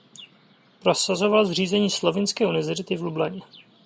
Prosazoval zřízení slovinské univerzity v Lublani.